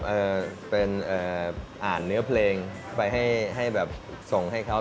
ก็เป็นอ่านเนื้อเพลงต้องไปส่งให้เขา